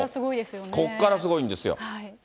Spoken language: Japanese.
ここからすごいんですよ。